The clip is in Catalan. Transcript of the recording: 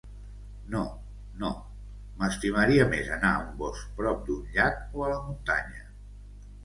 No, no, m'estimaria més anar a un bosc prop d'un llac, o a la muntanya.